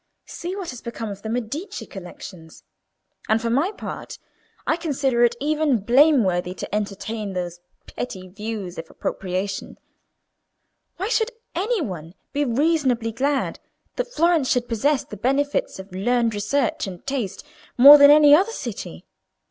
See what has become of the Medici collections! And, for my part, I consider it even blameworthy to entertain those petty views of appropriation: why should any one be reasonably glad that Florence should possess the benefits of learned research and taste more than any other city?